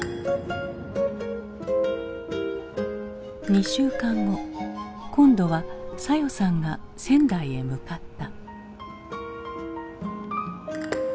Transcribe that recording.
２週間後今度は早代さんが仙台へ向かった。